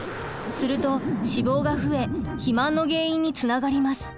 すると脂肪が増え肥満の原因につながります。